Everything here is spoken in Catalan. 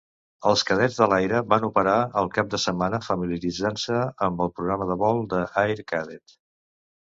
Els cadets de l'aire van operar el cap de setmana familiaritzant-se amb el programa de vol de Air Cadet.